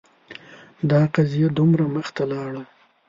دا قضیه دومره مخته لاړه